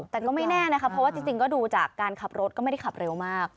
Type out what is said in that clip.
แต่ก็ไม่แน่นะคะเพราะว่าจริงก็ดูจากการขับรถก็ไม่ได้ขับเร็วมาก